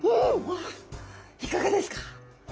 わあいかがですか？